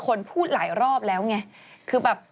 แรงฮัตเขาอัดที่๓รอบแล้วไง